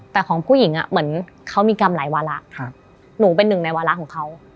แต่ของผู้หญิงเหมือนเขามีกรรมหลายวาระหนูเป็นหนึ่งในวาระของเขา